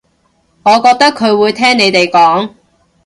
我覺得佢會聽你哋講